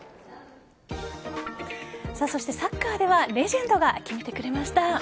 そして、サッカーではレジェンドが決めてくれました。